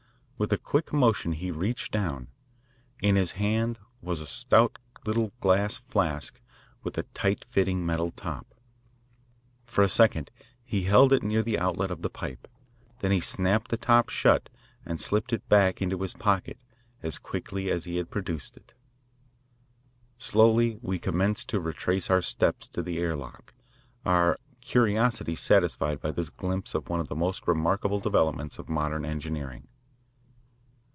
With a quick motion he reached down. In his hand was a stout little glass flask with a tight fitting metal top. For a second he held it near the outlet of the pipe; then he snapped the top shut and slipped it back into his pocket as quickly as he had produced it. Slowly we commenced to retrace our steps to the air lock, our curiosity satisfied by this glimpse of one of the most remarkable developments of modern engineering.